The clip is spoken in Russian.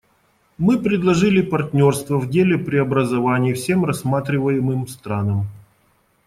Мы предложили партнерство в деле преобразований всем рассматриваемым странам.